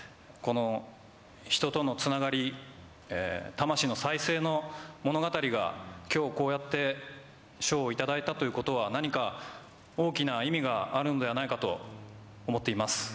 この、人とのつながり、魂の再生の物語がきょう、こうやって賞を頂いたということは、何か大きな意味があるのではないかと思っています。